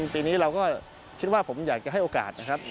ปีนี้เราก็คิดว่าผมอยากจะให้โอกาสนะครับ